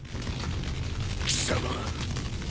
貴様！